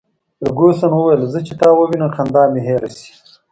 فرګوسن وویل: زه چي تا ووینم، خندا مي هېره شي.